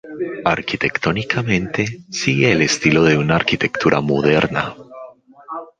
Arquitectónicamente sigue el estilo de la arquitectura moderna.